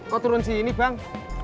kok turun sini bang